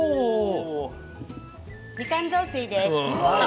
みかん雑炊です。